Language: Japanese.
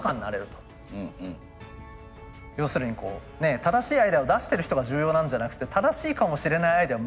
要するにこうね正しいアイデアを出してる人が重要なんじゃなくて正しいかもしれないアイデア